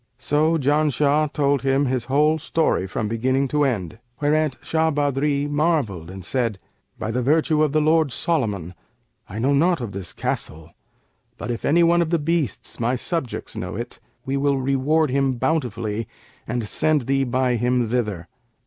So Janshah told him his story from beginning to end, whereat Shah Badri marvelled and said, 'By the virtue of the lord Solomon, I know not of this castle; but if any one of the beasts my subjects know it, we will reward him bountifully and send thee by him thither.'